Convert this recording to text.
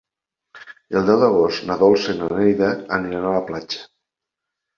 El deu d'agost na Dolça i na Neida aniran a la platja.